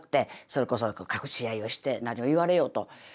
それこそ隠し合いをして何を言われようと。